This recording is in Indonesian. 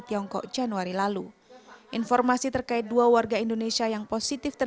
tiongkok januari lalu informasi terkait dua warga indonesia yang positif dan yang tidak lulus uji